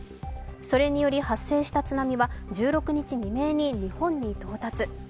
それにより発声した津波は１６日未明に日本に到着。